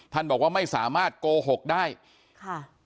บอกว่าไม่สามารถโกหกได้ค่ะ